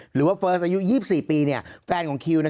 หรือว่าเฟิร์สอายุ๒๔ปีเนี่ย